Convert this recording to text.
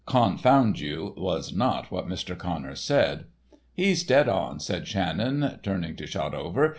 ("Confound you" was not what Mr. Connors said). "He's dead on," said Shannon, turning to Shotover.